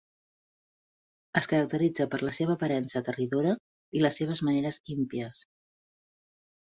Es caracteritza per la seva aparença aterridora i les seves maneres impies.